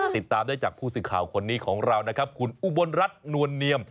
ติดตามได้จากผู้สื่อข่าวคนนี้ของเรานะครับคุณอุบลรัฐนวลเนียม